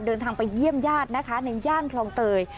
เดินทางไปเยี่ยมญาตินะคะในย่านคลองเตย